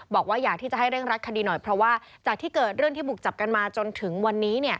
บอกว่าอยากที่จะให้เร่งรัดคดีหน่อยเพราะว่าจากที่เกิดเรื่องที่บุกจับกันมาจนถึงวันนี้